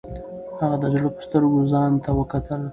هغه د زړه په سترګو ځان ته وکتل.